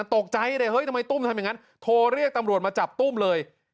ตกใจเลยเฮ้ยทำไมตุ้มทำอย่างนั้นโทรเรียกตำรวจมาจับตุ้มเลย